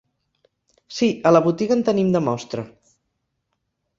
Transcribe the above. Sí, a la botiga en tenim de mostra.